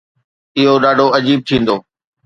اهو ڏاڍو عجيب ٿيندو.